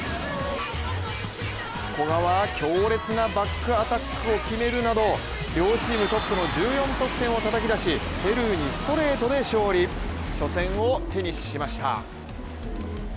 古賀は強烈なバックアタックを決めるなど両チームトップの１４得点をたたき出しペルーにストレートで勝利初戦を手にしました。